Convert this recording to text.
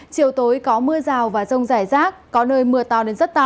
chiều tối có mưa rào và rông rải rác có nơi mưa to đến rất to